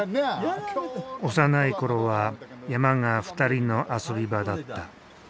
幼いころは山が２人の遊び場だった。